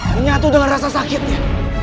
menyatu dengan rasa sakitnya